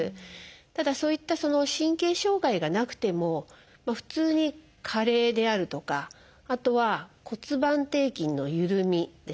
ただそういった神経障害がなくても普通に加齢であるとかあとは骨盤底筋の緩みですね。